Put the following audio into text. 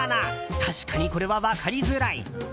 確かにこれは分かりづらい。